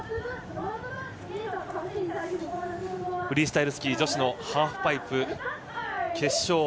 フリースタイルスキー女子のハーフパイプ決勝